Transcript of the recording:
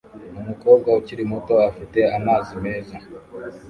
Umukobwa ukiri muto afite amazi meza